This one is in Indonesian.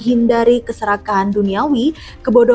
kegiatan dan kebencian yang diperlukan oleh umat budha di candi borobudur